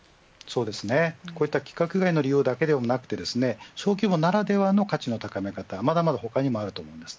こうした規格外の利用だけではなく小規模ならではの価値の高め方まだまだ他にもあると思います。